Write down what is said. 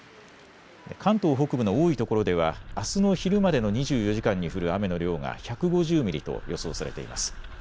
関東北部の多いところではあすの昼までの２４時間に降る雨の量が１５０ミリと予想されています。